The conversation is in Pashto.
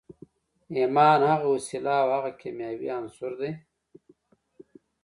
ايمان هغه وسيله او هغه کيمياوي عنصر دی.